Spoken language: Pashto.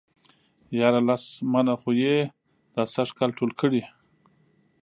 ياره لس منه خو يې دا سږ کال ټول کړي.